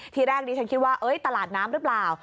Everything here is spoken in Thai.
ทีแรกดิฉันคิดว่าตลาดน้ำหรือเปล่า